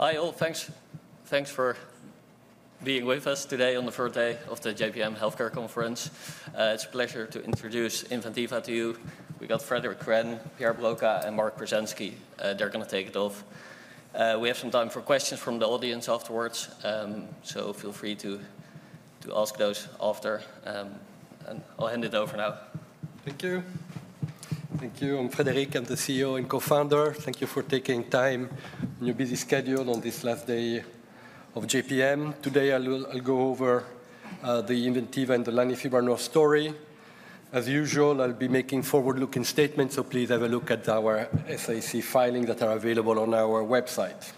Hi, all. Thanks for being with us today on the first day of the JPM Healthcare Conference. It's a pleasure to introduce Inventiva to you. We got Frédéric Cren, Pierre Broqua, and Mark Pruzanski. They're going to kick it off. We have some time for questions from the audience afterwards, so feel free to ask those after, and I'll hand it over now. Thank you. Thank you. I'm Frédéric. I'm the CEO and co-founder. Thank you for taking time on your busy schedule on this last day of JPM. Today, I'll go over the Inventiva and the lanifibranor story. As usual, I'll be making forward-looking statements, so please have a look at our SEC filings that are available on our website.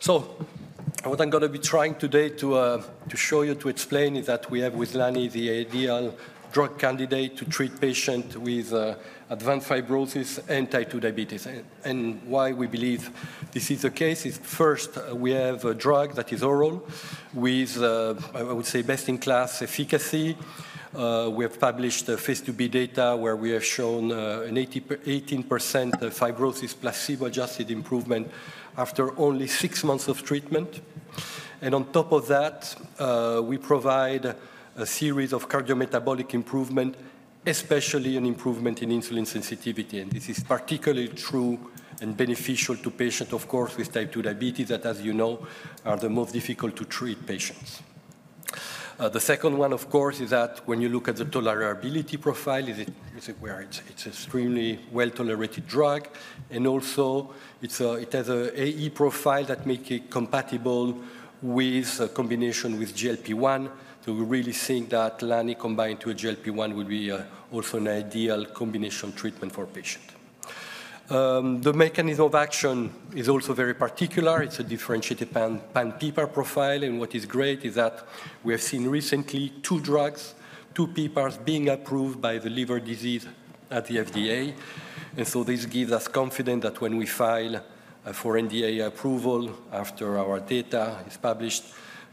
So what I'm going to be trying today to show you, to explain, is that we have with lanifibranor the ideal drug candidate to treat patients with advanced fibrosis and type 2 diabetes. Why we believe this is the case is, first, we have a drug that is oral with, I would say, best-in-class efficacy. We have published Phase IIb data where we have shown an 18% fibrosis placebo-adjusted improvement after only six months of treatment. And on top of that, we provide a series of cardiometabolic improvements, especially an improvement in insulin sensitivity. And this is particularly true and beneficial to patients, of course, with type 2 diabetes that, as you know, are the most difficult to treat patients. The second one, of course, is that when you look at the tolerability profile where it's an extremely well-tolerated drug. And also, it has an AE profile that makes it compatible with a combination with GLP-1. So we really think that lanifibranor combined to a GLP-1 would be also an ideal combination treatment for patients. The mechanism of action is also very particular. It's a differentiated pan-PPAR profile. And what is great is that we have seen recently two drugs, two PPARs, being approved for liver disease by the FDA. And so this gives us confidence that when we file for NDA approval after our data is published,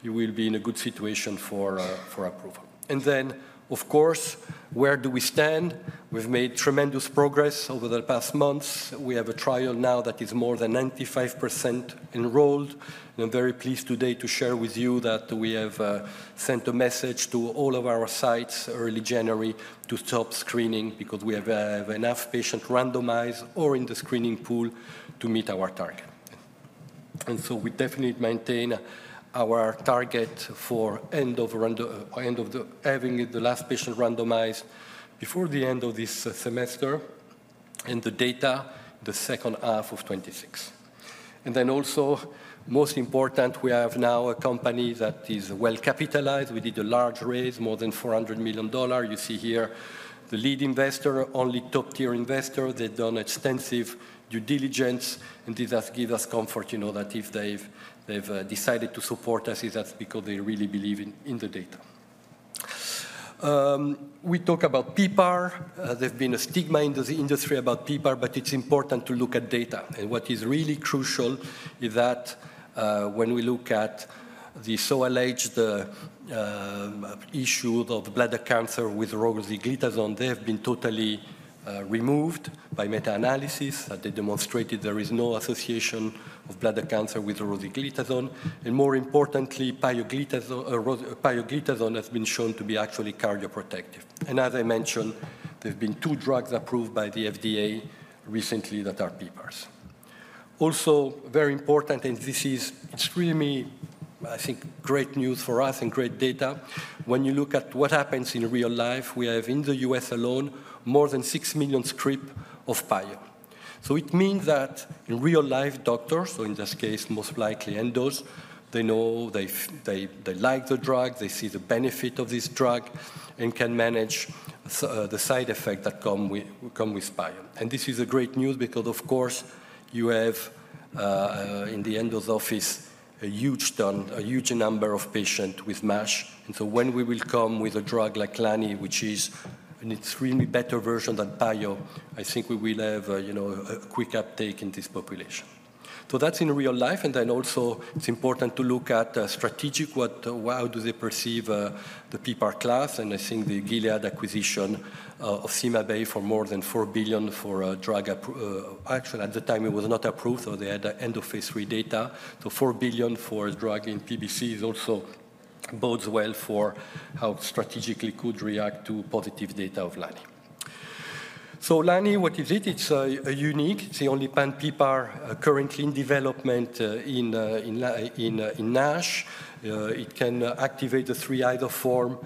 you will be in a good situation for approval. And then, of course, where do we stand? We've made tremendous progress over the past months. We have a trial now that is more than 95% enrolled. And I'm very pleased today to share with you that we have sent a message to all of our sites early January to stop screening because we have enough patients randomized or in the screening pool to meet our target. And so we definitely maintain our target for end of having the last patient randomized before the end of this semester and the data the second half of 2026. And then also, most important, we have now a company that is well-capitalized. We did a large raise, more than $400 million. You see here the lead investor, only top-tier investor. They've done extensive due diligence, and this has given us comfort, you know, that if they've decided to support us, it's because they really believe in the data. We talk about PPAR. There's been a stigma in the industry about PPAR, but it's important to look at data, and what is really crucial is that when we look at the so-called issue of bladder cancer with rosiglitazone, they have been totally removed by meta-analysis. They demonstrated there is no association of bladder cancer with rosiglitazone, and more importantly, pioglitazone has been shown to be actually cardioprotective. And as I mentioned, there have been two drugs approved by the FDA recently that are PPARs. Also, very important, and this is extremely, I think, great news for us and great data. When you look at what happens in real life, we have in the U.S. alone more than six million scripts of Pio. So it means that in real life, doctors, so in this case, most likely endos, they know they like the drug, they see the benefit of this drug, and can manage the side effects that come with Pio. And this is great news because, of course, you have in the endos office a huge number of patients with MASH. And so when we will come with a drug like Lani, which is an extremely better version than Pio, I think we will have a quick uptake in this population. So that's in real life. And then also, it's important to look at strategically, how do they perceive the PPAR class. And I think the Gilead acquisition of CymaBay for more than $4 billion for a drug. Actually, at the time, it was not approved, so they had end-of-Phase III data. So $4 billion for a drug in PBCs also bodes well for how strategically it could react to positive data of Lani. So Lani, what is it? It's unique. It's the only pan-PPAR currently in development in NASH. It can activate the three isoforms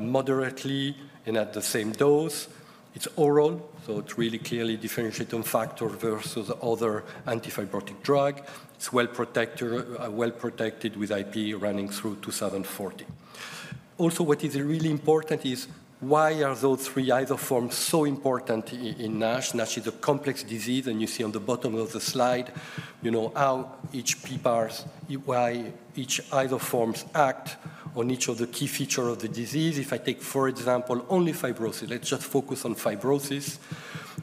moderately and at the same dose. It's oral, so it's really clearly differentiated on factors versus other antifibrotic drugs. It's well protected with IP running through 2040. Also, what is really important is why are those three isoforms so important in NASH? NASH is a complex disease. And you see on the bottom of the slide, you know, how each PPAR, why each isoform acts on each of the key features of the disease. If I take, for example, only fibrosis, let's just focus on fibrosis.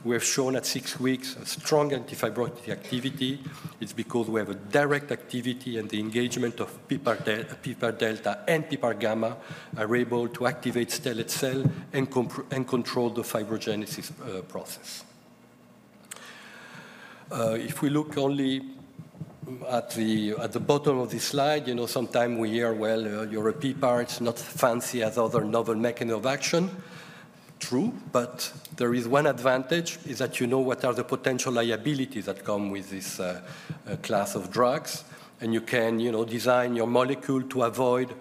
We have shown at six weeks strong antifibrotic activity. It's because we have a direct activity and the engagement of PPAR delta and PPAR gamma are able to activate stellate cell and control the fibrogenesis process. If we look only at the bottom of the slide, you know, sometimes we hear, well, your PPAR, it's not fancy as other novel mechanisms of action. True, but there is one advantage: you know what are the potential liabilities that come with this class of drugs, and you can design your molecule to avoid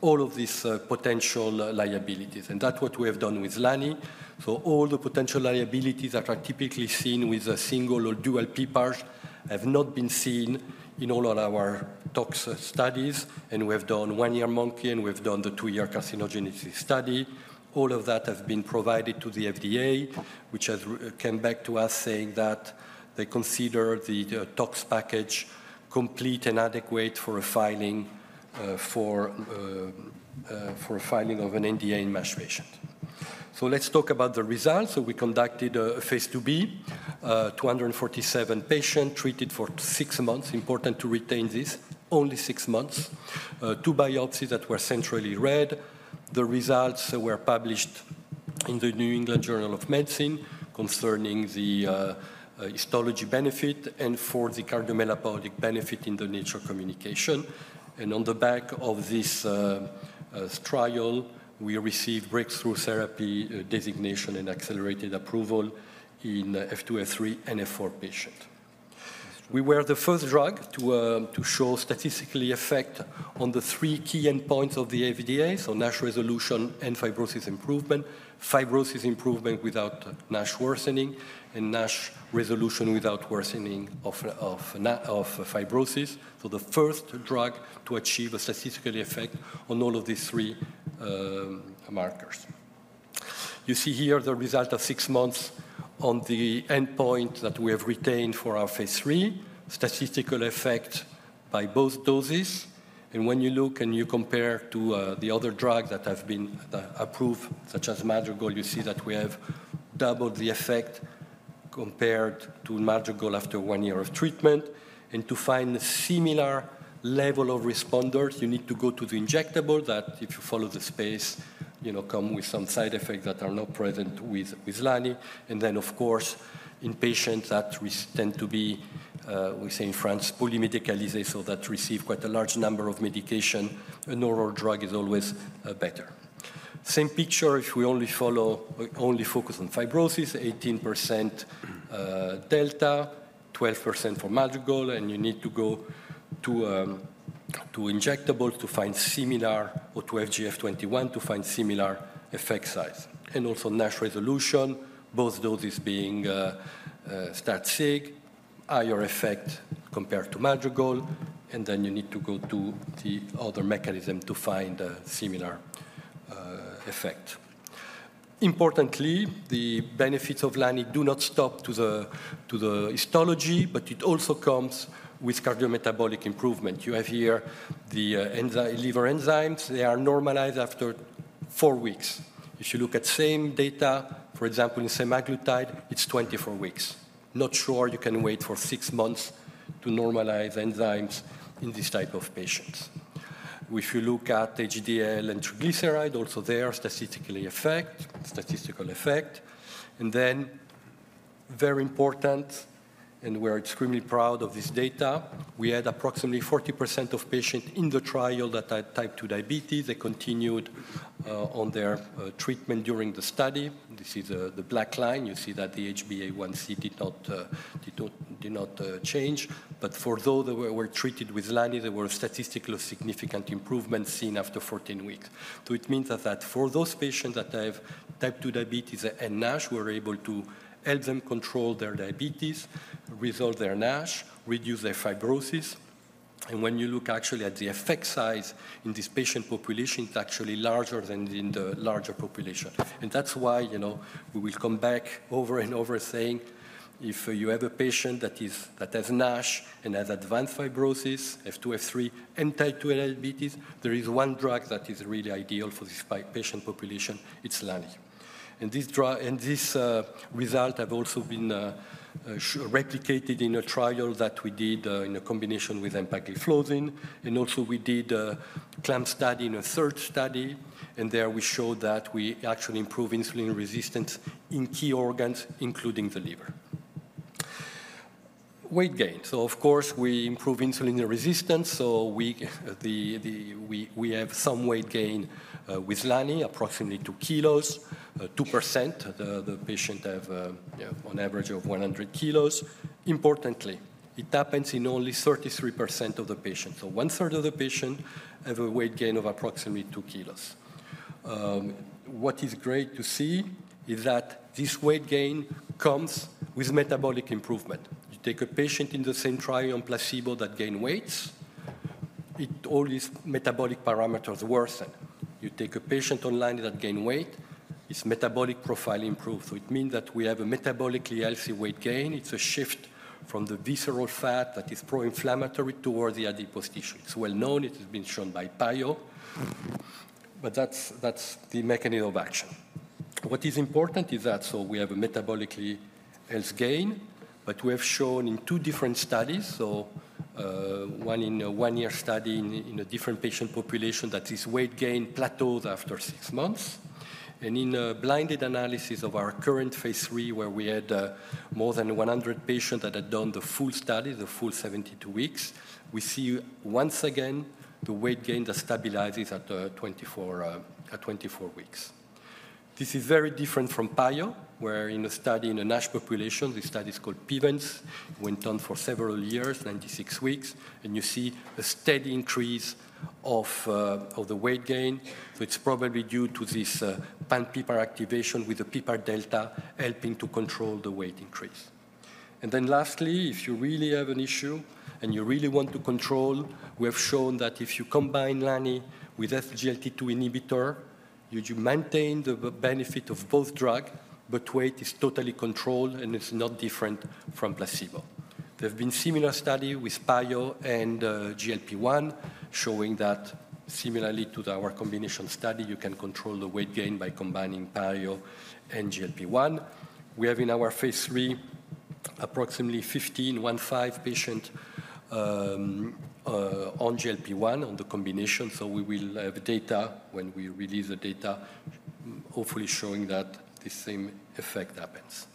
all of these potential liabilities, and that's what we have done with Lani, so all the potential liabilities that are typically seen with a single or dual PPARs have not been seen in all of our tox studies, and we have done one-year monkey and we've done the two-year carcinogenesis study. All of that has been provided to the FDA, which has come back to us saying that they consider the tox package complete and adequate for a filing of an NDA in MASH patients. So let's talk about the results. So we conducted a Phase IIb, 247 patients treated for six months. Important to retain this, only six months. Two biopsies that were centrally read. The results were published in the New England Journal of Medicine concerning the histology benefit and for the cardiometabolic benefit in the Nature Communications. And on the back of this trial, we received Breakthrough Therapy Designation and Accelerated Approval in F2, F3, and F4 patients. We were the first drug to show statistically effect on the three key endpoints of the FDA: so NASH resolution and fibrosis improvement, fibrosis improvement without NASH worsening, and NASH resolution without worsening of fibrosis. So the first drug to achieve a statistical effect on all of these three markers. You see here the result of six months on the endpoint that we have retained for our Phase III, statistical effect by both doses. And when you look and you compare to the other drugs that have been approved, such as Madrigal, you see that we have doubled the effect compared to Madrigal after one year of treatment. And to find a similar level of responders, you need to go to the injectable that, if you follow the space, you know, come with some side effects that are not present with Lani. And then, of course, in patients that tend to be, we say in France, polymedicalized, so that receive quite a large number of medications, an oral drug is always better. Same picture if we only follow, only focus on fibrosis, 18% delta, 12% for Madrigal. You need to go to injectable to find similar or to FGF21 to find similar effect size. Also NASH resolution, both doses being statistically significant, higher effect compared to Madrigal. Then you need to go to the other mechanism to find a similar effect. Importantly, the benefits of Lani do not stop to the histology, but it also comes with cardiometabolic improvement. You have here the liver enzymes. They are normalized after four weeks. If you look at same data, for example, in semaglutide, it's 24 weeks. Not sure you can wait for six months to normalize enzymes in this type of patients. If you look at HDL and triglyceride, also their statistical effect. And then very important, and we're extremely proud of this data, we had approximately 40% of patients in the trial that had type 2 diabetes. They continued on their treatment during the study. This is the black line. You see that the HbA1c did not change. But for those that were treated with Lani, there were statistically significant improvements seen after 14 weeks. So it means that for those patients that have type 2 diabetes and NASH, we're able to help them control their diabetes, resolve their NASH, reduce their fibrosis. And when you look actually at the effect size in this patient population, it's actually larger than in the larger population. And that's why, you know, we will come back over and over saying if you have a patient that has NASH and has advanced fibrosis, F2, F3, and type 2 diabetes, there is one drug that is really ideal for this patient population. It's Lani. And this result has also been replicated in a trial that we did in a combination with empagliflozin. And also, we did a clamp study and a tracer study. And there we showed that we actually improve insulin resistance in key organs, including the liver. Weight gain. So of course, we improve insulin resistance. So we have some weight gain with Lani, approximately 2 kilos, 2%. The patients have an average of 100 kilos. Importantly, it happens in only 33% of the patients. So one-third of the patients have a weight gain of approximately 2 kilos. What is great to see is that this weight gain comes with metabolic improvement. You take a patient in the same trial on placebo that gained weight, all these metabolic parameters worsen. You take a patient on Lani that gained weight, his metabolic profile improves, so it means that we have a metabolically healthy weight gain. It's a shift from the visceral fat that is pro-inflammatory towards the adipose tissue. It's well known. It has been shown by Pio. But that's the mechanism of action. What is important is that so we have a metabolically healthy gain, but we have shown in two different studies, so one in a one-year study in a different patient population that this weight gain plateaus after six months. And in a blinded analysis of our current Phase III, where we had more than 100 patients that had done the full study, the full 72 weeks, we see once again the weight gain that stabilizes at 24 weeks. This is very different from Pio, where in a study in a NASH population, this study is called PIVENS, went on for several years, 96 weeks. And you see a steady increase of the weight gain. So it's probably due to this pan-PPAR activation with the PPAR delta helping to control the weight increase. And then lastly, if you really have an issue and you really want to control, we have shown that if you combine Lani with SGLT2 inhibitor, you maintain the benefit of both drugs, but weight is totally controlled and it's not different from placebo. There have been similar studies with Pio and GLP-1 showing that similarly to our combination study, you can control the weight gain by combining Pio and GLP-1. We have in our Phase III approximately 15 patients on GLP-1 on the combination. So we will have data when we release the data, hopefully showing that the same effect happens.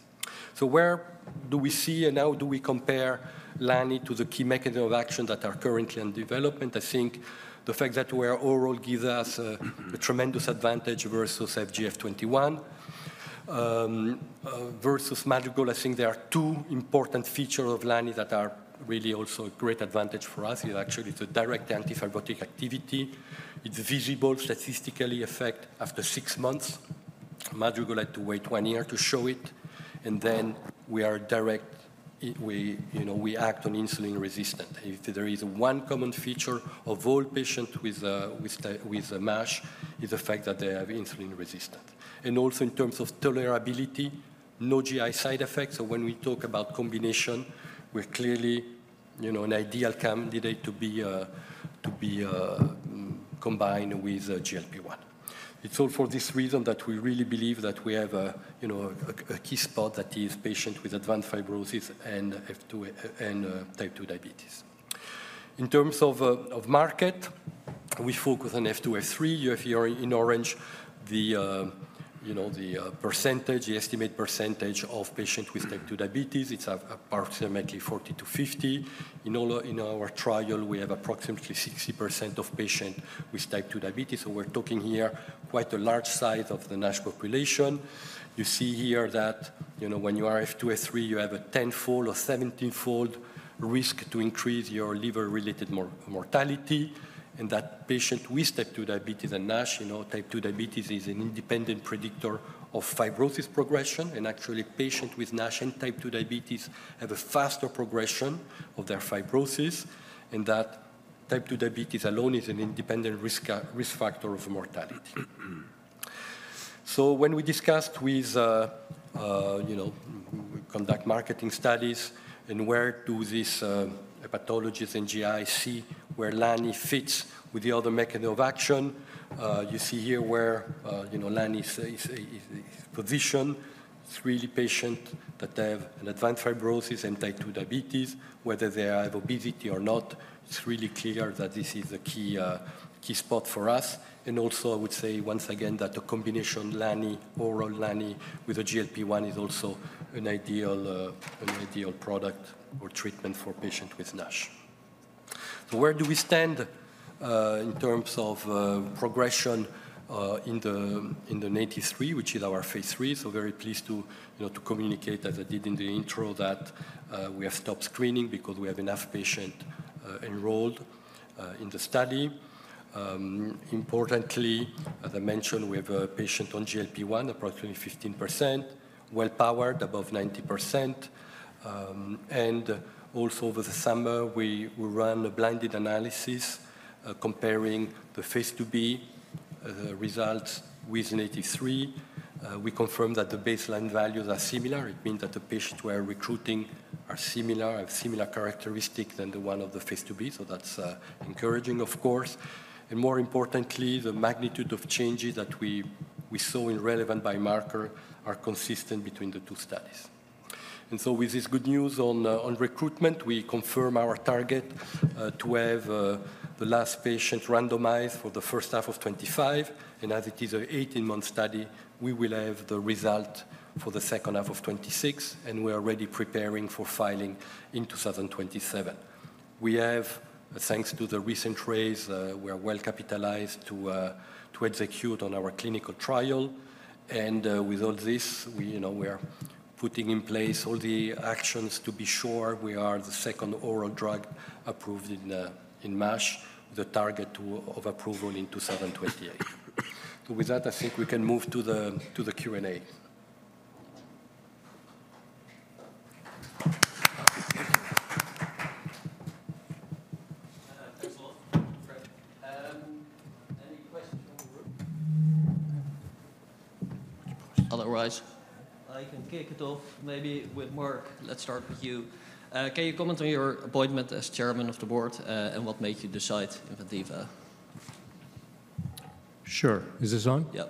So where do we see and how do we compare Lani to the key mechanism of action that are currently in development? I think the fact that we're oral gives us a tremendous advantage versus FGF21. Versus Madrigal, I think there are two important features of Lani that are really also a great advantage for us. It's actually the direct antifibrotic activity. It's visible statistically effect after six months. Madrigal had to wait one year to show it. And then we are direct, you know, we act on insulin resistance. If there is one common feature of all patients with MASH, it's the fact that they have insulin resistance. And also in terms of tolerability, no GI side effects. So when we talk about combination, we're clearly, you know, an ideal candidate to be combined with GLP-1. It's all for this reason that we really believe that we have a key spot that is patients with advanced fibrosis and type 2 diabetes. In terms of market, we focus on F2, F3. You have here in orange, you know, the percentage, the estimated percentage of patients with type 2 diabetes. It's approximately 40%-50%. In our trial, we have approximately 60% of patients with type 2 diabetes. So we're talking here quite a large size of the NASH population. You see here that, you know, when you are F2, F3, you have a 10-fold or 17-fold risk to increase your liver-related mortality, and that patient with type 2 diabetes and NASH, you know, type 2 diabetes is an independent predictor of fibrosis progression, and actually, patients with NASH and type 2 diabetes have a faster progression of their fibrosis, and that type 2 diabetes alone is an independent risk factor of mortality, so when we discussed with, you know, we conduct marketing studies and where do these pathologists and GIs see where Lani fits with the other mechanism of action. You see here where, you know, Lani's position. It's really patients that have an advanced fibrosis and type 2 diabetes, whether they have obesity or not. It's really clear that this is a key spot for us. And also, I would say once again that the combination Lani, oral Lani, with the GLP-1 is also an ideal product or treatment for patients with NASH. So where do we stand in terms of progression in the NATiV3, which is our Phase III? So very pleased to, you know, to communicate, as I did in the intro, that we have stopped screening because we have enough patients enrolled in the study. Importantly, as I mentioned, we have patients on GLP-1, approximately 15%, well-powered, above 90%. And also over the summer, we ran a blinded analysis comparing the Phase II-B results with NATiV3. We confirmed that the baseline values are similar. It means that the patients we're recruiting are similar, have similar characteristics than the one of the Phase II-B. So that's encouraging, of course. And more importantly, the magnitude of changes that we saw in relevant biomarker are consistent between the two studies. And so with this good news on recruitment, we confirm our target to have the last patient randomized for the first half of 2025. And as it is an 18-month study, we will have the result for the second half of 2026. And we are already preparing for filing in 2027. We have, thanks to the recent raise, we are well capitalized to execute on our clinical trial. And with all this, we, you know, we are putting in place all the actions to be sure we are the second oral drug approved in MASH, with a target of approval in 2028. So with that, I think we can move to the Q&A. Thanks a lot, Fred. Any questions from the room? Otherwise, I can kick it off maybe with Mark. Let's start with you. Can you comment on your appointment as chairman of the board and what made you decide Inventiva? Sure. Is this on? Yes.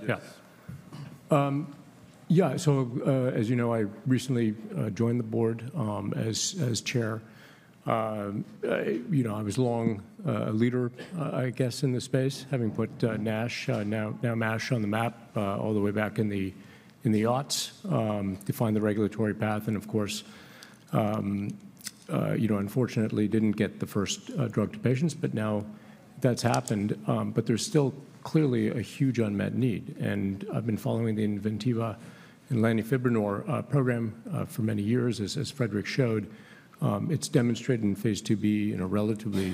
Yeah. So as you know, I recently joined the board as chair. You know, I was long a leader, I guess, in this space, having put NASH, now MASH on the map all the way back in the aughts to find the regulatory path. And of course, you know, unfortunately, didn't get the first drug to patients. But now that's happened. But there's still clearly a huge unmet need. And I've been following the Inventiva and lanifibranor program for many years. As Frédéric showed, it's demonstrated in Phase II-B in a relatively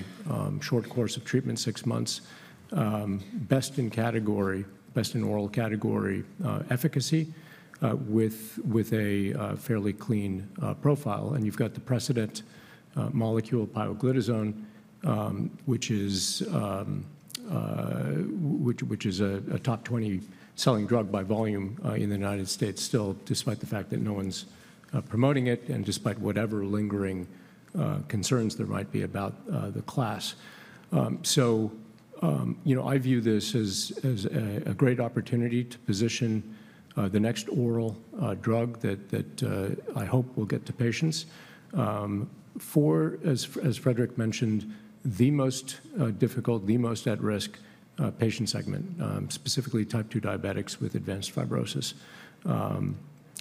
short course of treatment, six months, best in category, best in oral category efficacy with a fairly clean profile. And you've got the precedent molecule pioglitazone, which is a top 20 selling drug by volume in the United States, still despite the fact that no one's promoting it and despite whatever lingering concerns there might be about the class. So you know, I view this as a great opportunity to position the next oral drug that I hope will get to patients for, as Frédéric mentioned, the most difficult, the most at-risk patient segment, specifically type 2 diabetics with advanced fibrosis.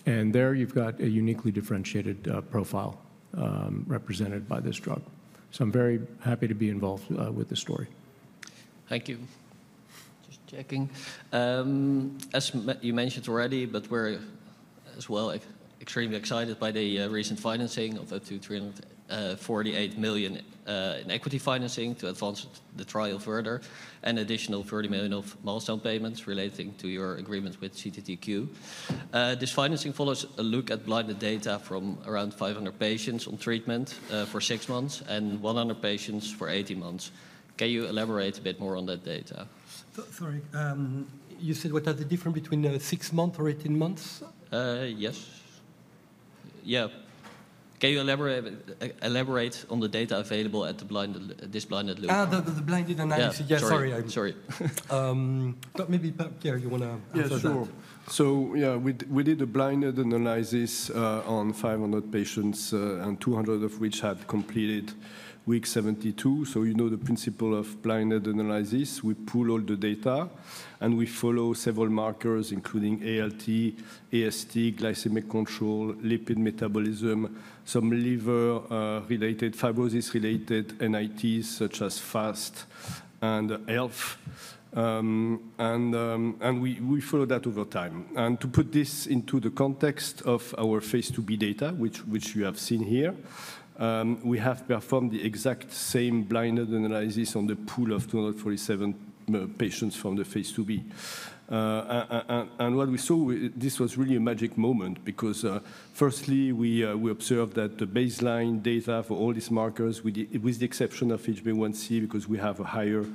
And there you've got a uniquely differentiated profile represented by this drug. So I'm very happy to be involved with the story. Thank you. Just checking. As you mentioned already, but we're as well extremely excited by the recent financing of up to 348 million in equity financing to advance the trial further and additional 30 million of milestone payments relating to your agreement with CTTQ. This financing follows a look at blinded data from around 500 patients on treatment for six months and 100 patients for 18 months. Can you elaborate a bit more on that data? Sorry. You said what are the difference between six months or 18 months? Yes. Yeah. Can you elaborate on the data available at this blinded look? The blinded analysis. Yeah. Sorry. Maybe Pierre, you want to answer that? Yeah, sure. So yeah, we did a blinded analysis on 500 patients, 200 of which had completed week 72. So you know the principle of blinded analysis. We pull all the data and we follow several markers, including ALT, AST, glycemic control, lipid metabolism, some liver-related, fibrosis-related NITs such as FAST and ELF. We follow that over time. And to put this into the context of our Phase II-B data, which you have seen here, we have performed the exact same blinded analysis on the pool of 247 patients from the Phase II-B. And what we saw, this was really a magic moment because, firstly, we observed that the baseline data for all these markers, with the exception of HbA1c, because we have a higher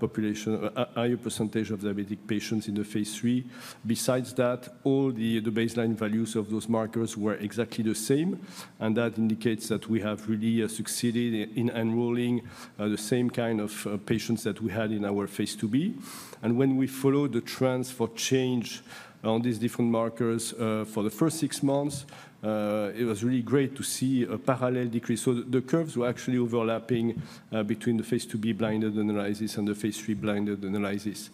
population, a higher percentage of diabetic patients in the Phase III. Besides that, all the baseline values of those markers were exactly the same. And that indicates that we have really succeeded in enrolling the same kind of patients that we had in our Phase II-B. And when we followed the trends for change on these different markers for the first six months, it was really great to see a parallel decrease. So the curves were actually overlapping between the Phase II-B blinded analysis and the Phase III blinded analysis.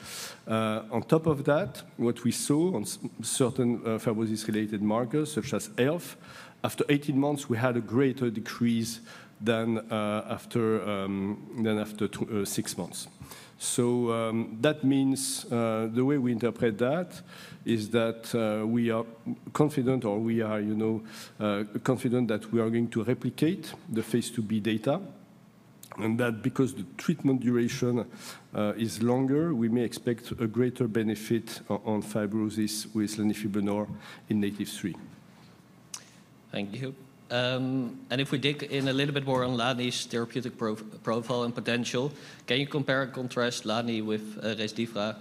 On top of that, what we saw on certain fibrosis-related markers such as ELF, after 18 months, we had a greater decrease than after six months. So that means the way we interpret that is that we are confident or we are, you know, confident that we are going to replicate the Phase II-B data. And that because the treatment duration is longer, we may expect a greater benefit on fibrosis with lanifibranor in NATiV3. Thank you. And if we dig in a little bit more on Lani's therapeutic profile and potential, can you compare and contrast Lani with Rezdiffra,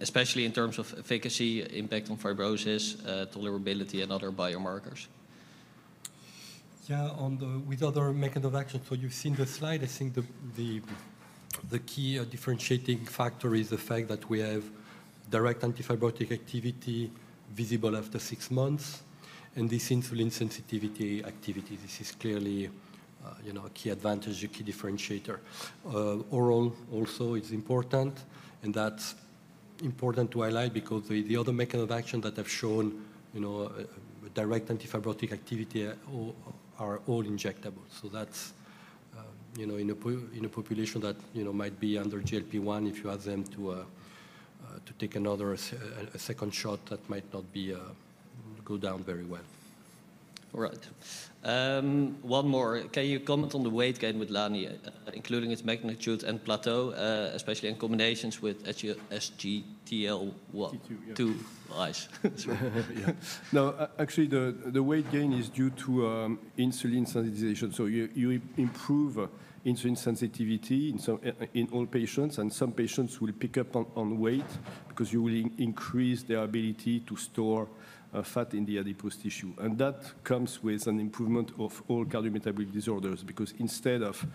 especially in terms of efficacy, impact on fibrosis, tolerability, and other biomarkers? Yeah, with other mechanism of action. So you've seen the slide. I think the key differentiating factor is the fact that we have direct antifibrotic activity visible after six months. And this insulin sensitivity activity, this is clearly, you know, a key advantage, a key differentiator. Oral also is important. And that's important to highlight because the other mechanism of action that I've shown, you know, direct antifibrotic activity are all injectable. So that's, you know, in a population that, you know, might be under GLP-1, if you ask them to take another second shot, that might not go down very well. All right. One more. Can you comment on the weight gain with Lani, including its magnitude and plateau, especially in combinations with SGLT2? T2. T2. Right. Yeah. No, actually, the weight gain is due to insulin sensitization. So you improve insulin sensitivity in all patients. Some patients will pick up on weight because you will increase their ability to store fat in the adipose tissue. That comes with an improvement of all cardiometabolic disorders because instead of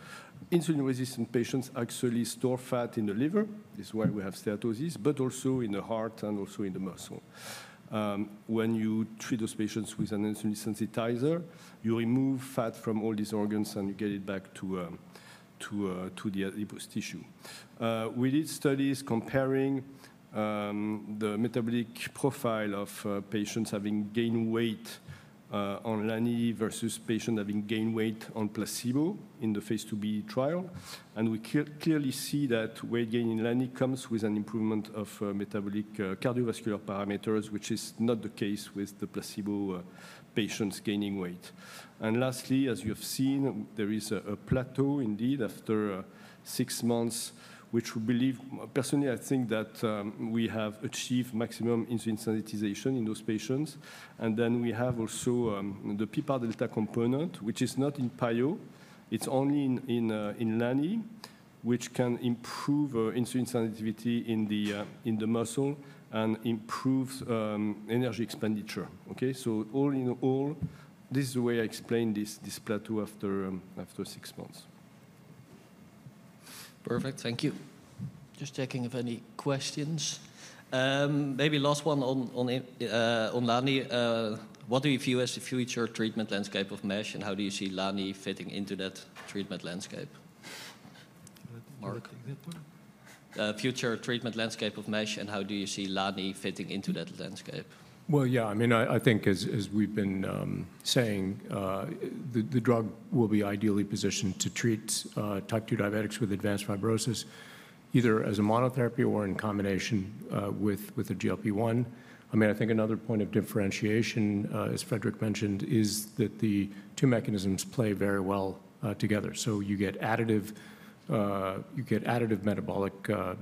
insulin-resistant patients actually store fat in the liver, this is why we have steatosis, but also in the heart and also in the muscle. When you treat those patients with an insulin sensitizer, you remove fat from all these organs and you get it back to the adipose tissue. We did studies comparing the metabolic profile of patients having gained weight on Lani versus patients having gained weight on placebo in the Phase II-B trial. We clearly see that weight gain in Lani comes with an improvement of metabolic cardiovascular parameters, which is not the case with the placebo patients gaining weight. And lastly, as you have seen, there is a plateau indeed after six months, which we believe, personally, I think that we have achieved maximum insulin sensitization in those patients. And then we have also the PPAR delta component, which is not in PIO, it's only in Lani, which can improve insulin sensitivity in the muscle and improves energy expenditure. Okay? So all in all, this is the way I explain this plateau after six months. Perfect. Thank you. Just checking if any questions. Maybe last one on Lani. What do you view as the future treatment landscape of MASH and how do you see Lani fitting into that treatment landscape? Mark? Future treatment landscape of MASH and how do you see Lani fitting into that landscape? Well, yeah, I mean, I think as we've been saying, the drug will be ideally positioned to treat type 2 diabetics with advanced fibrosis either as a monotherapy or in combination with a GLP-1. I mean, I think another point of differentiation, as Frédéric mentioned, is that the two mechanisms play very well together. So you get additive metabolic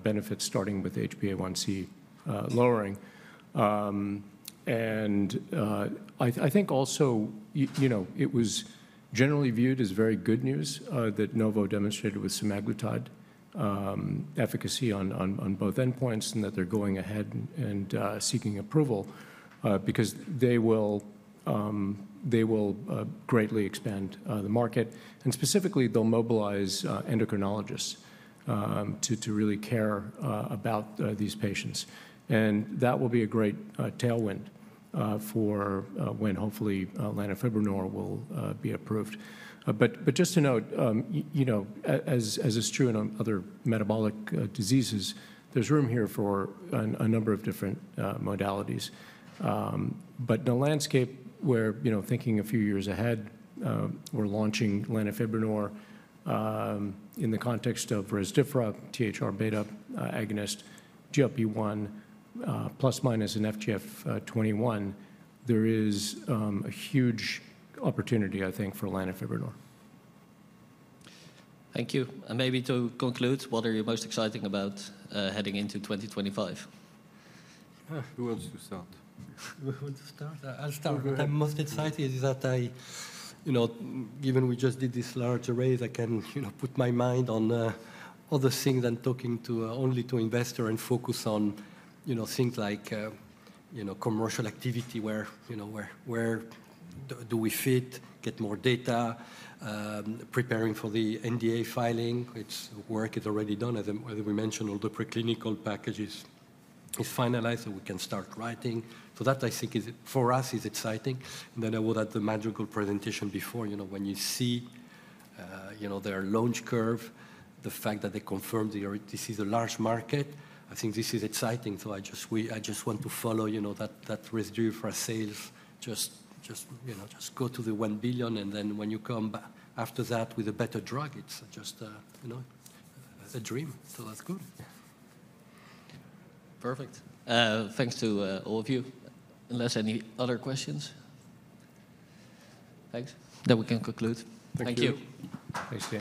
benefits starting with HbA1c lowering. And I think also, you know, it was generally viewed as very good news that Novo demonstrated with semaglutide efficacy on both endpoints and that they're going ahead and seeking approval because they will greatly expand the market. And specifically, they'll mobilize endocrinologists to really care about these patients. And that will be a great tailwind for when hopefully lanifibranor will be approved. But just to note, you know, as is true in other metabolic diseases, there's room here for a number of different modalities. But the landscape where, you know, thinking a few years ahead, we're launching lanifibranor in the context of Rezdiffra, THR-beta agonist, GLP-1, ± an FGF21, there is a huge opportunity, I think, for lanifibranor. Thank you, and maybe to conclude, what are you most excited about heading into 2025? Who wants to start? I'll start. I'm most excited that I, you know, given we just did this large array, I can, you know, put my mind on other things than talking only to investors and focus on, you know, things like, you know, commercial activity where, you know, where do we fit, get more data, preparing for the NDA filing. Its work is already done. As we mentioned, all the preclinical packages are finalized so we can start writing. So that, I think, for us is exciting. And then I would add the Madrigal presentation before, you know, when you see, you know, their launch curve, the fact that they confirmed this is a large market. I think this is exciting. So I just want to follow, you know, that Rezdiffra sales, just, you know, just go to the $1 billion. And then when you come back after that with a better drug, it's just, you know, a dream. So that's good. Perfect. Thanks to all of you. Unless any other questions? Thanks. Then we can conclude. Thank you. Thanks.